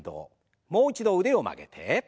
もう一度腕を曲げて。